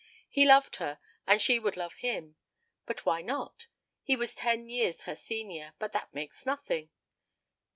He loved her, and she would love him. But why not? He was ten years her senior, but that makes nothing.